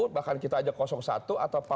bahkan kita aja satu atau